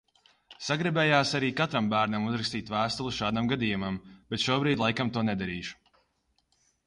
Sagribējās arī katram bērnam uzrakstīt vēstuli šādam gadījumam, bet šobrīd laikam to nedarīšu.